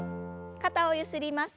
肩をゆすります。